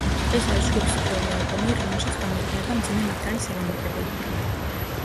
ეს არის ჯგუფის პირველი ალბომი, რომელშიც გამოიყენება მძიმე მეტალის ელემენტები.